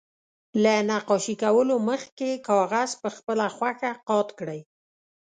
له نقاشي کولو مخکې کاغذ په خپله خوښه قات کړئ.